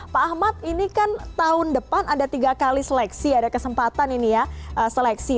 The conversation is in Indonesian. pak ahmad ini kan tahun depan ada tiga kali seleksi ada kesempatan ini ya seleksi